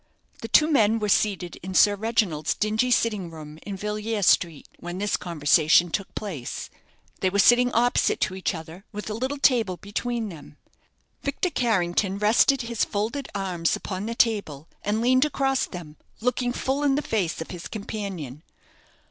The two men were seated in Sir Reginald's dingy sitting room in Villiers Street when this conversation took place. They were sitting opposite to each other, with a little table between them. Victor Carrington rested his folded arms upon the table, and leaned across them, looking full in the face of his companion.